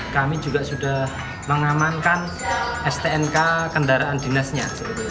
kami juga sudah mengamankan stnk kendaraan dinasnya